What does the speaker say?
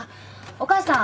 お母さん。